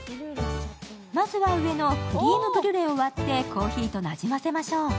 まずは、上のクレームブリュレを割ってコーヒーとなじませましょう。